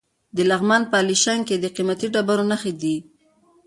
د لغمان په علیشنګ کې د قیمتي ډبرو نښې دي.